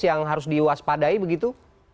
yang harus diwaspadai begitu